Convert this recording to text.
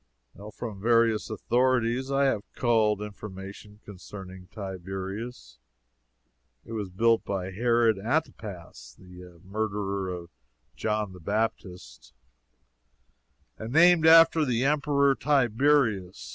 From various authorities I have culled information concerning Tiberias. It was built by Herod Antipas, the murderer of John the Baptist, and named after the Emperor Tiberius.